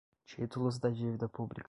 títulos da dívida pública